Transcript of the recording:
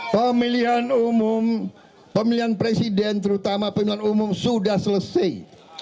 pemilihan umum pemilihan presiden terutama pemilihan umum sudah selesai